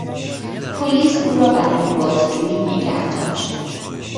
پلیس او را برای بازجویی نگهداشت.